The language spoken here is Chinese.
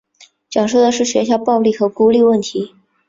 讲述的是学校暴力和孤立问题。